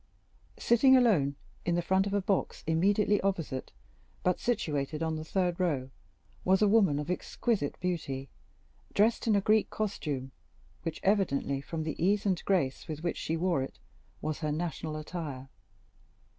Sitting alone, in the front of a box immediately opposite, but situated on the third row, was a woman of exquisite beauty, dressed in a Greek costume, which evidently, from the ease and grace with which she wore it, was her national attire.